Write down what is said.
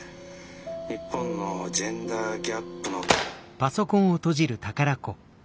日本のジェンダーギャップの」。